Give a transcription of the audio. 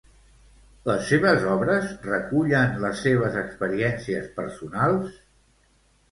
Les seves obres recullen les seves experiències personals?